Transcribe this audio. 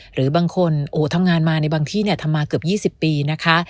หรือบางคนทำงานมาในบางที่ทำมาเกือบ๒๐ปีนะคะ